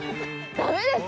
ダメですよ！